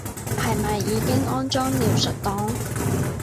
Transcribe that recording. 係咪已經安裝描述檔